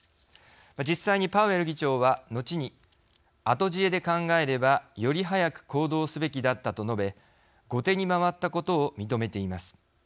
実際にパウエル議長は後に「後知恵で考えればより早く行動すべきだった」と述べ後手に回ったことを認めています。